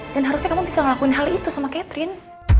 dan harusnya kamu bisa ngelakuin hal itu sama catherine